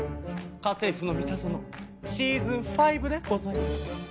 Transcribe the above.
『家政夫のミタゾノ』シーズン５でございます。